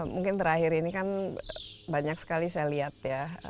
mungkin terakhir ini kan banyak sekali saya lihat ya